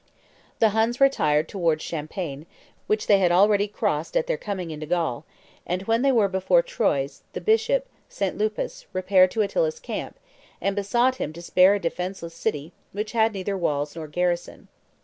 The Huns retired towards Champagne, which they had already crossed at their coming into Gaul; and when they were before Troyes, the bishop, St. Lupus, repaired to Attila's camp, and besought him to spare a defenceless city, which had neither walls nor garrison.